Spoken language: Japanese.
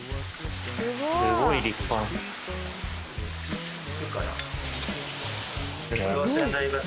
すごい立派な。